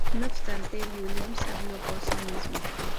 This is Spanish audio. No obstante, Williams habló por sí mismo.